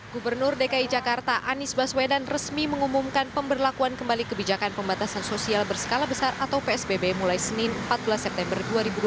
gubernur dki jakarta anies baswedan resmi mengumumkan pemberlakuan kembali kebijakan pembatasan sosial berskala besar atau psbb mulai senin empat belas september dua ribu dua puluh